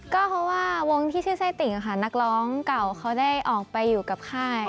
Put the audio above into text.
ก็เพราะว่าวงที่ชื่อไส้ติ่งค่ะนักร้องเก่าเขาได้ออกไปอยู่กับค่าย